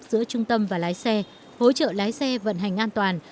giữa trung tâm và lái xe hỗ trợ lái xe vận hành an toàn